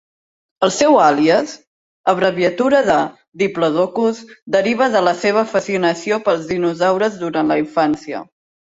El seu àlies, abreviatura de "Diplodocus", deriva de la seva fascinació pels dinosaures durant la infància.